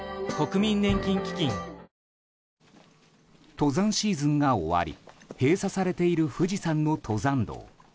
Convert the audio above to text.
登山シーズンが終わり閉鎖されている富士山の登山道。